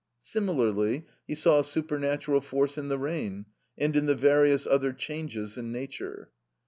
Similarly he saw a supernatural force in the rain, and in the various other changes in nature.